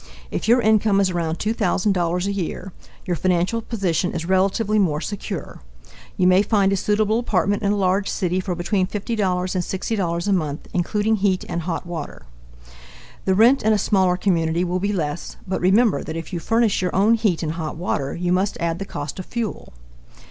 If your income is around $2000 a year, your financial position is relatively more secure. You may find a suitable apartment in a large city for between $50 and $60 a month including heat and hot water. The rent in a smaller community will be less, but remember that if you furnish your own heat and hot water, you must add the cost of fuel.